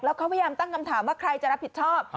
เขาพยายามตั้งคำถามว่าใครจะรับผิดชอบ